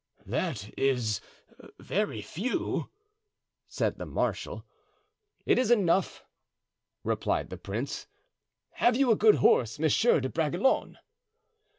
"That is very few," said the marshal. "It is enough," replied the prince. "Have you a good horse, Monsieur de Bragelonne?"